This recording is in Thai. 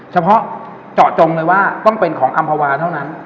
เฉพาะเจาะจงเลยว่าต้องเป็นของอำภาวาเท่านั้น